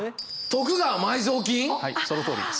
はいそのとおりです。